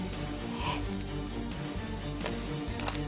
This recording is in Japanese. えっ？